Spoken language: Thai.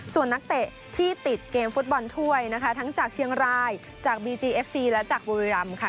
ส่วนนักเตะที่ติดเกมฟุตบอลถ้วยนะคะทั้งจากเชียงรายจากบีจีเอฟซีและจากบุรีรำค่ะ